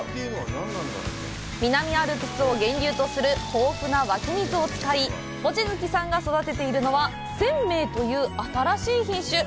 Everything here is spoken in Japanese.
南アルプスを源流とする豊富な湧き水を使い望月さんが育てているのは「千明」という新しい品種。